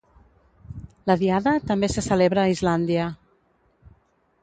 La diada també se celebra a Islàndia.